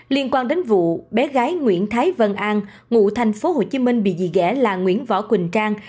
liên quan đến vụ bé gái nguyễn thái vân an ngụ thành phố hồ chí minh bị dì ghẻ là nguyễn võ quỳnh trang